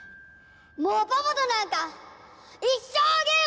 もうパパとなんか一生ゲーム。